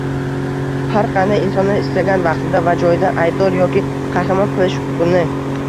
har qanday insonni istagan vaqtida va joyida aybdor yoki qahramon qilish huquqini